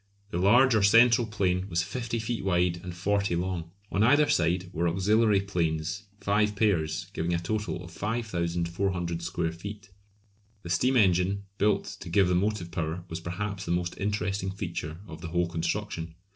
The large or central plane was 50 feet wide and 40 long; on either side were auxiliary planes, five pairs; giving a total area of 5400 square feet. The steam engine built to give the motive power was perhaps the most interesting feature of the whole construction.